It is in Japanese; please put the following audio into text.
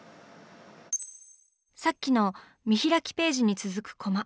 さっきの見開きページに続くコマ。